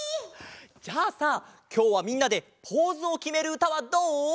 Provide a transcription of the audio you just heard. じゃあさきょうはみんなでポーズをきめるうたはどう？